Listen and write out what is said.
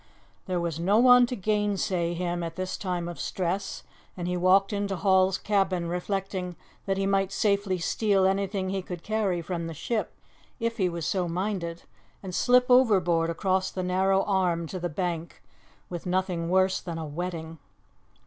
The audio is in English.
There was no one to gainsay him at this time of stress, and he walked into Hall's cabin reflecting that he might safely steal anything he could carry from the ship, if he were so minded, and slip overboard across the narrow arm to the bank with nothing worse than a wetting.